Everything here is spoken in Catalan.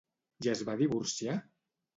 I es va divorciar?